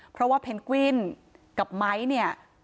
เพราะว่าเพนกวินและไมซ์